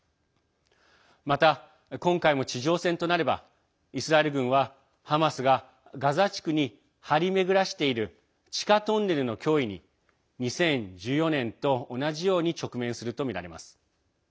また、今回も地上戦となればイスラエル軍はハマスが、ガザ地区に張り巡らせている地下トンネルの脅威に２０１４年と同じように直面するとみられます。